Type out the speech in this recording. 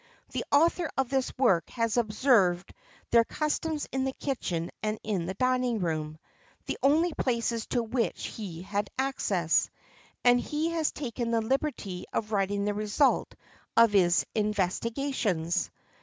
The author of this work has observed their customs in the kitchen and in the dining room the only places to which he had access and he has taken the liberty of writing the result of his investigations.